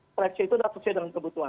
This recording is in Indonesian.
kreditmen itu sudah selesai dengan kebutuhan